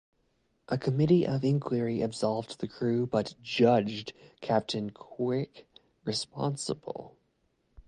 A committee of inquiry absolved the crew but judged Captain Quirk responsible.